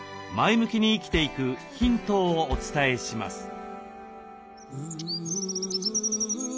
前向きに生きていくヒントをお伝えします。